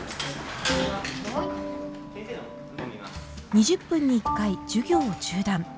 ２０分に１回授業を中断。